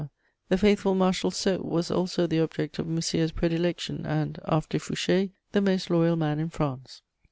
The faithful Marshal Soult was also the object of Monsieur's predilection and, after Fouché, the most loyal man in France.